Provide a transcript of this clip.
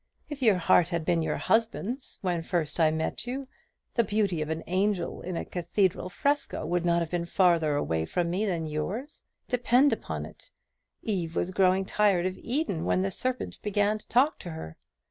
If your heart had been your husband's when first I met you, the beauty of an angel in a cathedral fresco would not have been farther away from me than yours. Depend upon it, Eve was growing tired of Eden when the serpent began to talk to her.